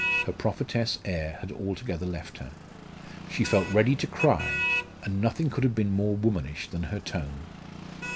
Her prophetess air had altogether left her. She felt ready to cry; and nothing could have been more womanish than her tone.